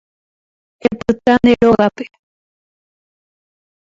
Epyta nde rógape